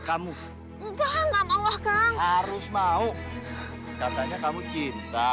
sampai jumpa di video selanjutnya